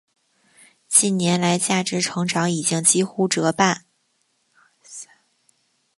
近年来价值成长已经几乎折半。